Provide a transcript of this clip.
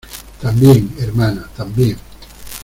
también, hermana , también.